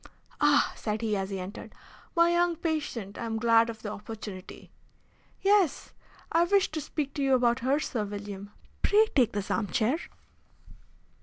"Ah," said he, as he entered. "My young patient! I am glad of the opportunity." "Yes, I wish to speak to you about her, Sir William. Pray take this arm chair."